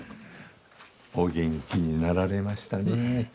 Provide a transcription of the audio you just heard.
お元気になられましたね。